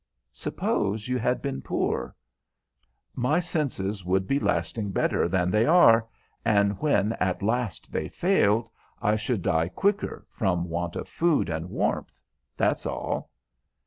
"Suppose you had been poor?" "My senses would be lasting better than they are, and when at last they failed, I should die quicker, from want of food and warmth, that's all."